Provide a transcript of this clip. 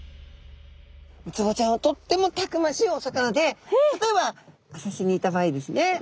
ウツボちゃんはとってもたくましいお魚で例えば浅瀬にいた場合ですね